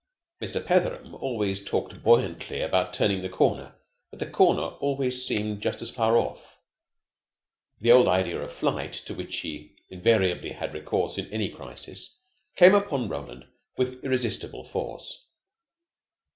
Mr. Petheram always talked buoyantly about turning the corner, but the corner always seemed just as far off. The old idea of flight, to which he invariably had recourse in any crisis, came upon Roland with irresistible force.